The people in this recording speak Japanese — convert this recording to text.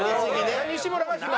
西村が暇。